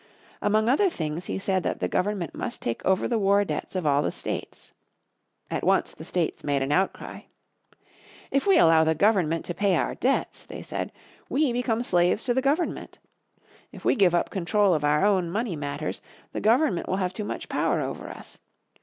Among other things he said that the government must take over the war debts of all the states. At once the states made an outcry. "If we allow the government to pay our debts," they said, "we become slaves to the government. If we give up control of our own money matters the government will have too much power over us.